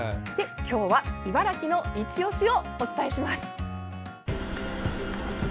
今日は茨城のいちオシをお伝えします。